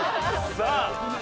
さあ